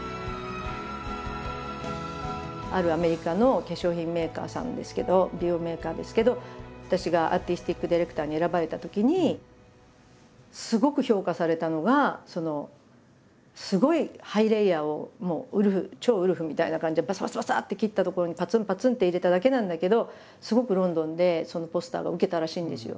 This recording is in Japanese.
あるアメリカの化粧品メーカーさんですけど美容メーカーですけど私がアーティスティックディレクターに選ばれたときにすごく評価されたのがすごいハイレイヤーをもう超ウルフみたいな感じでバサバサバサって切ったところにパツンパツンって入れただけなんだけどすごくロンドンでそのポスターが受けたらしいんですよ。